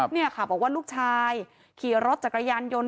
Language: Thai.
นี่ค่ะบอกว่าลูกชายขี่รถจักรยานยนต์